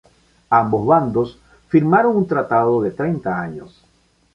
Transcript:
Ambos bandos firmaron un tratado de treinta años.